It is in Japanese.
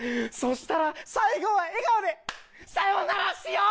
したら最後は笑顔でさよならしよう！